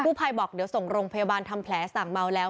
ผู้ภัยบอกเดี๋ยวส่งโรงพยาบาลทำแผลสั่งเมาแล้ว